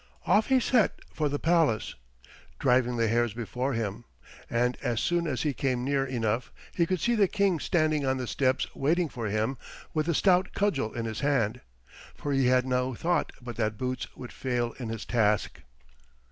Off he set for the palace, driving the hares before him, and as soon as he came near enough he could see the King standing on the steps waiting for him with a stout cudgel in his hand, for he had no thought but that Boots would fail in his task.